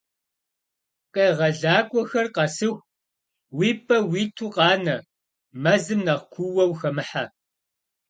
Къегъэлакӏуэхэр къэсыху, уи пӏэ уиту къанэ, мэзым нэхъ куууэ ухэмыхьэ.